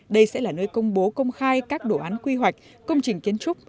đây sẽ là nơi công bố công khai các đồ án quy hoạch công trình kiến trúc